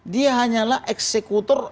dia hanyalah eksekutor